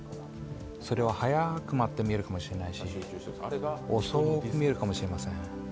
それは速く回って見えるかもしれませんし、遅く見えるかもしれません。